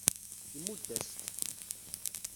Imudd-as-tt.